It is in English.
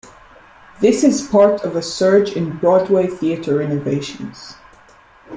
This is part of a surge in Broadway theatre renovations.